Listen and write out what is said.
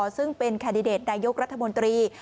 ซึ่งเป็นแคนดิเดตนายกรัฐมนตรี